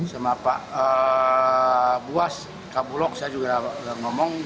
sempat pak buas kak bulog saya juga ada ngomong